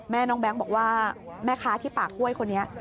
น้องแบงค์บอกว่าแม่ค้าที่ปากห้วยคนนี้